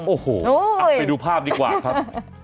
โอ้โหไปดูภาพดีกว่าครับ